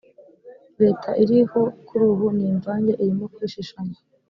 leta iriho kuri ubu ni imvange irimo kwishishanya